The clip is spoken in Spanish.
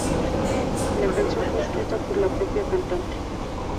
La canción fue escrita por la propia cantante.